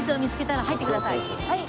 はい。